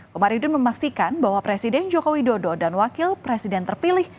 komarudin memastikan bahwa presiden joko widodo dan wakil presiden terpilih